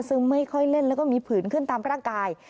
ซึ่งไม่ค่อยเล่นแล้วก็มีผืนขึ้นตามร่างกาย